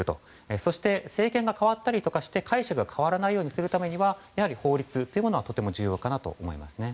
そして政権が代わったりとかして解釈が変わらないようにするためにはやはり法律はとても重要かと思います。